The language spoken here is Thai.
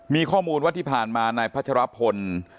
มีข้อมูลว่าที่ผ่านมานายพัชรพล